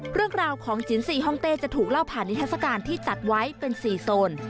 เรื่องราวของจินซีฮ่องเต้จะถูกเล่าผ่านนิทัศกาลที่จัดไว้เป็น๔โซน